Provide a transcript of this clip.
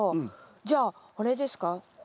じゃああれですか？